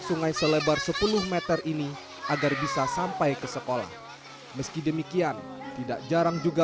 sungai selebar sepuluh m ini agar bisa sampai ke sekolah meski demikian tidak jarang juga